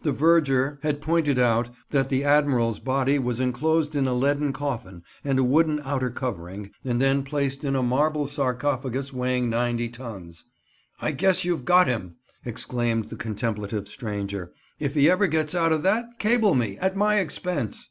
The verger had pointed out that the Admiral's body was enclosed in a leaden coffin and a wooden outer covering, and then placed in a marble sarcophagus weighing 90 tons. "I guess you've got him!" exclaimed the contemplative stranger; "if ever he gets out of that, cable me, at my expense!"